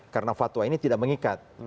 karena fatwa ini tidak mengikat